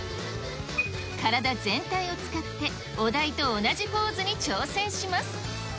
体全体を使って、お題と同じポーズに挑戦します。